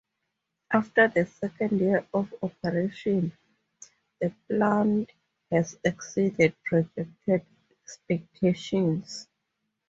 After the second year of operation the plant has exceeded projected expectations.